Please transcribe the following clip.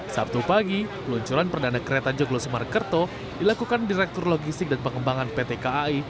sabtu pagi peluncuran perdana kereta joglo semarkerto dilakukan direktur logistik dan pengembangan pt kai